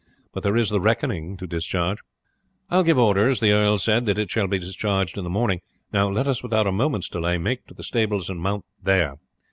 But there is the reckoning to discharge." "I will give orders," the earl said, "that it shall be discharged in the morning. Now let us without a moment's delay make to the stables and mount there.